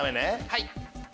はい。